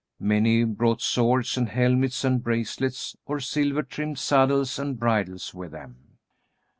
Many brought swords and helmets and bracelets or silver trimmed saddles and bridles with them.